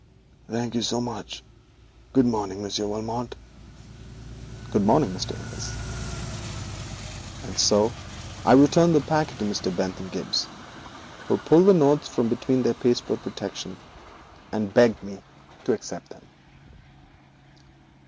'Thanks so much. Good morning, Monsieur Valmont.' 'Good morning, Mr. Innis,' And so I returned the packet to Mr. Bentham Gibbes, who pulled the notes from between their pasteboard protection, and begged me to accept them.